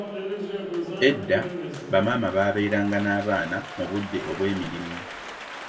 Edda ba maama babeeranga n'abaana mu budde obw’emirimu.